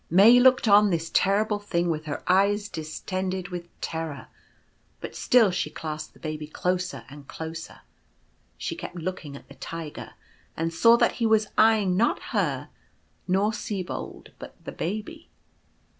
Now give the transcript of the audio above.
May looked on this terrible thing with her eyes dis On Guard. 181 tended with terror ; but still she clasped the Baby closer and closer. She kept looking at the Tiger, and saw that he was eyeing not her nor Sibold, but the Baby.